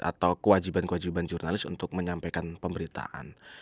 atau kewajiban kewajiban jurnalis untuk menyampaikan pemberitaan